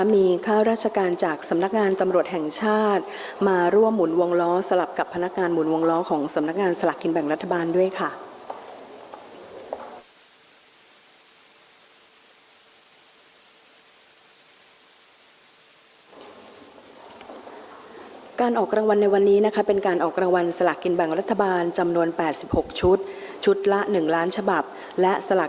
มีข้าราชการจากสำนักงานตำรวจแห่งชาติมาร่วมหมุนวงล้อ